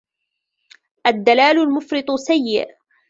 الدّلال المفرط سيّء.